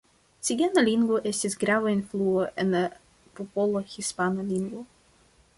Cigana lingvo estis grava influo en popola hispana lingvo.